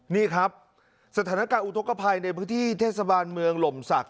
นี่ครับสถานการณ์อุทธกภัยในพื้นที่เทศบาลเมืองหล่มศักดิ